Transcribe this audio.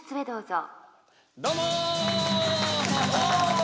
どうも。